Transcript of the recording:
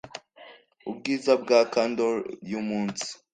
Ubwiza bwa candor yumunsi